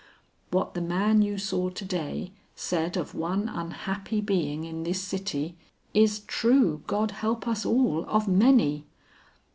What the man you saw to day, said of one unhappy being in this city, is true, God help us all, of many.